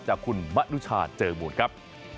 จากคุณมะนุชาเจอมูลครับ